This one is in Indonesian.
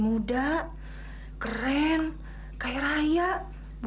memang dia itu kaya raya tapi kan kelihatannya begitu biasa saja ya mbak